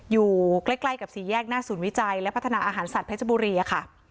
อยู่ใกล้กับสี่แยกหน้าศูนย์วิจัยและพัฒนาอาหารสัตว์เพชรบุรีค่ะ